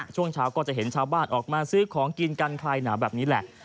ช่วงเช้าก็จะเห็นชาวบ้านออกมาซื้อของกินกันคลายหนาวแบบนี้แหละ